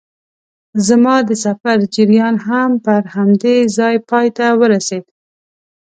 زما د سفر جریان هم پر همدې ځای پای ته ورسېد.